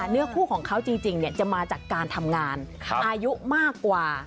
เนื้อคู่ของเขาจริงจะมาจากการทำงานอายุมากกว่า